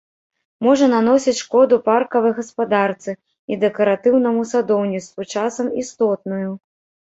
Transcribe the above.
Можа наносіць шкоду паркавай гаспадарцы і дэкаратыўнаму садоўніцтву, часам істотную.